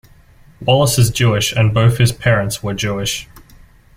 Wallace is Jewish and both his parents were Jewish.